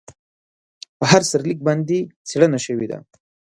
په هر سرلیک باندې څېړنه شوې ده.